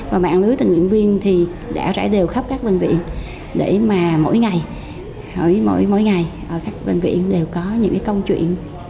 và mạng lưới tình nguyện viên thì đã rải đều khắp các bệnh viện để mà mỗi ngày ở các bệnh viện đều có những cái công chuyện